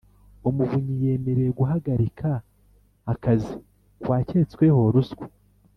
Umuvunyi yemerewe guhagarika akazi kuwaketsweho ruswa